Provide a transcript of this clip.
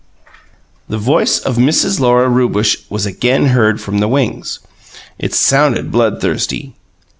The voice of Mrs. Lora Rewbush was again heard from the wings; it sounded bloodthirsty.